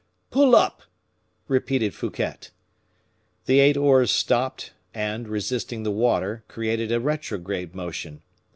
"Pull up!" repeated Fouquet. The eight oars stopped, and resisting the water, created a retrograde motion.